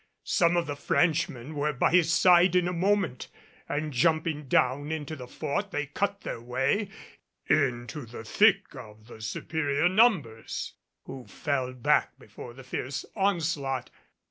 Some of the Frenchmen were by his side in a moment, and jumping down into the fort they cut their way into the thick of the superior numbers, who fell back before the fierce onslaught.